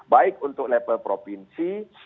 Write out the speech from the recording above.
baik untuk level provinsi